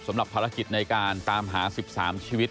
สำหรับภารกิจในการตามหา๑๓ชีวิต